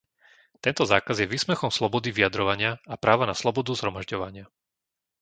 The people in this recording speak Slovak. Tento zákaz je výsmechom slobody vyjadrovania a práva na slobodu zhromažďovania.